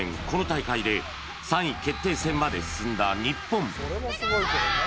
この大会で３位決定戦まで進んだ日本